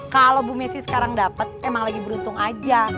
kalo bu mesi sekarang dapet emang lagi beruntung aja